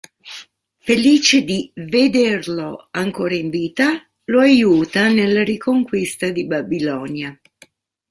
Felice di "vederlo" ancora in vita, lo aiuta nella riconquista di Babilonia.